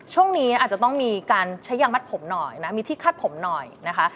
ช่วงนี้อาจจะต้องมีการใช้ยางมัดผมหน่อยนะมีที่คาดผมหน่อยนะคะ